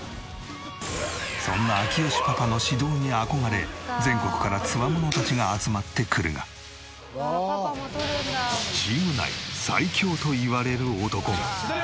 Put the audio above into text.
そんな明慶パパの指導に憧れ全国からつわものたちが集まってくるがチーム内最強といわれる男が。